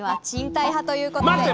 購入派ということで。